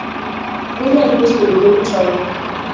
Ginyalo tiyo gi mtok